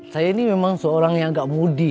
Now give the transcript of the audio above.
saya ini memang seorang yang agak mudi